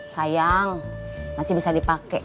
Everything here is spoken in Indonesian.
sayang masih bisa dipakai